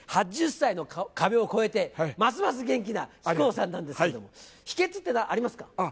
８０歳の壁を越えてますます元気な木久扇さんなんですけれども秘訣っていうのはありますか？